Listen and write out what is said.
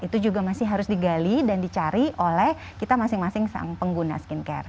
itu juga masih harus digali dan dicari oleh kita masing masing sang pengguna skincare